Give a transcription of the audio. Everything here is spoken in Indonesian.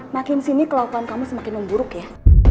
makin sini kelakuan kamu semakin memburuk ya